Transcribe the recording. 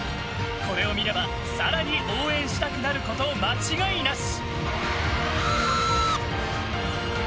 これを見れば、更に応援したくなること間違いなし。